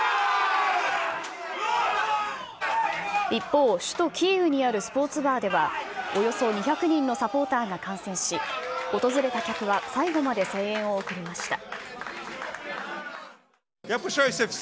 一方、首都キーウにあるスポーツバーでは、およそ２００人のサポーターが観戦し、訪れた客は最後まで声援を送りました。